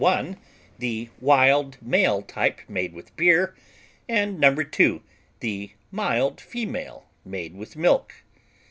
1, the wild male type made with beer, and No. 2, the mild female made with milk.